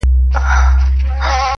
کله کله هم شاعر بې موضوع وي -